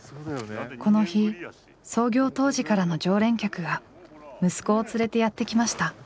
この日創業当時からの常連客が息子を連れてやって来ました。